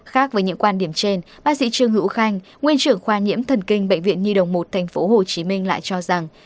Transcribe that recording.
khác với những quan điểm trên bác sĩ trương hữu khanh nguyên trưởng khoa nhiễm thần kinh bệnh viện nhi đồng một tp hcm lại cho rằng